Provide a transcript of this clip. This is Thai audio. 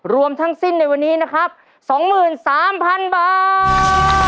รวมทั้งสิ้นในวันนี้นะครับ๒๓๐๐๐บาท